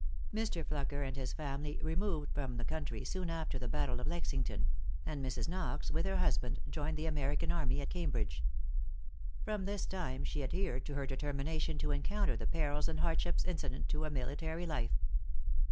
Mr. Flucker and his family removed from the country soon after the battle of Lexington; and Mrs. Knox, with her husband, joined the American army at Cambridge. From this time she adhered to her determination to encounter the perils and hardships incident to a military life.